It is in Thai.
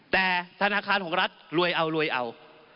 แต่ธนาคารของรัฐรวยเอารวยเอา